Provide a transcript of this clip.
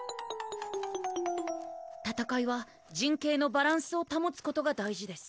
戦いは陣形のバランスをたもつことが大事です